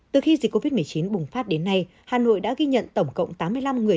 từ khi dịch covid một mươi chín bùng phát đến nay hà nội đã ghi nhận tổng cộng tám mươi năm người